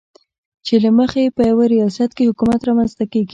چې له مخې یې په یوه ریاست کې حکومت رامنځته کېږي.